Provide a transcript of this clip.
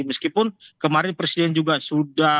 meskipun kemarin presiden juga sudah